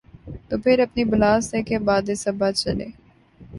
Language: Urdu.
تو پھر اپنی بلا سے کہ باد صبا چلے۔